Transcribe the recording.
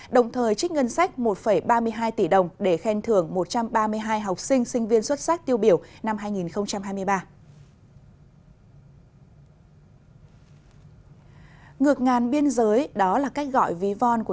đồng thời trích ngân sách một ba mươi hai tỷ đồng để khen thưởng một trăm ba mươi hai học sinh sinh viên xuất sắc tiêu biểu